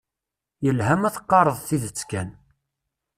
Yelha ma teqqareḍ tidet kan.